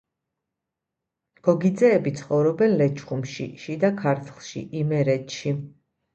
გოგიძეები ცხოვრობენ ლეჩხუმში, შიდა ქართლში, იმერეთში.